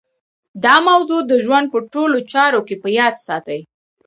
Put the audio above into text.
دا موضوع د ژوند په ټولو چارو کې په ياد ساتئ.